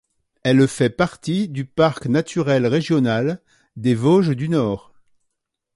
Elle fait partie du parc naturel régional des Vosges du Nord.